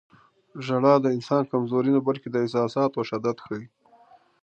• ژړا د انسان کمزوري نه، بلکې د احساساتو شدت ښيي.